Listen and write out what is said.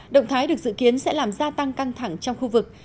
động thái được dự kiến sẽ làm gia tăng căng thẳng trong khu vực